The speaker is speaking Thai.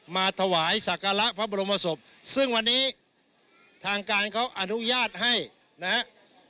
มาถวายสักการะพระบรมศพซึ่งวันนี้ทางการเขาอนุญาตให้นะครับ